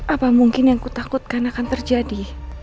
apa mungkin yang ku takutkan akan terjadi